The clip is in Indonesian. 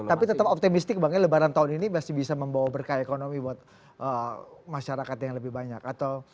tapi tetap optimistik bang ya lebaran tahun ini masih bisa membawa berkah ekonomi buat masyarakat yang lebih banyak